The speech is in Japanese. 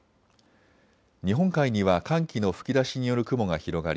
日本海には寒気の吹き出しによる雲が広がり